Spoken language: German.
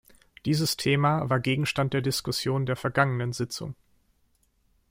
Dieses Thema war Gegenstand der Diskussion der vergangenen Sitzung.